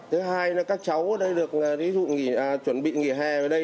thứ hai là các cháu ở đây được chuẩn bị nghỉ hè ở đây